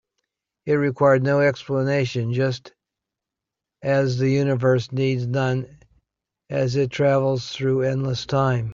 It required no explanation, just as the universe needs none as it travels through endless time.